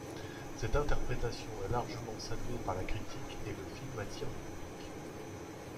Cette interprétation est largement saluée par la critique et le film attire le public.